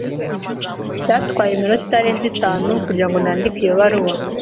Byatwaye iminota itarenze itanu kugirango nandike iyo baruwa.